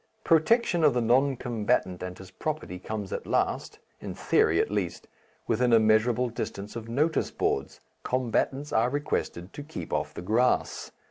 Protection of the non combatant and his property comes at last in theory at least within a measurable distance of notice boards: "Combatants are requested to keep off the grass."